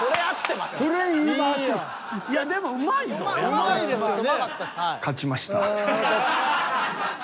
うまいですよね。